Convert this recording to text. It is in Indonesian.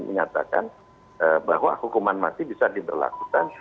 menyatakan bahwa hukuman mati bisa diberlakukan